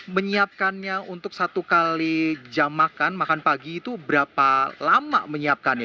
menyiapkannya untuk satu kali jam makan makan pagi itu berapa lama menyiapkannya